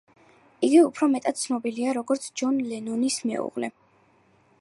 იგი უფრო მეტად ცნობილია, როგორც ჯონ ლენონის მეუღლე.